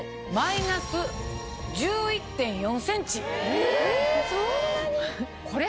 えそんなに。